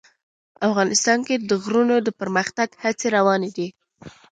افغانستان کې د غرونه د پرمختګ هڅې روانې دي.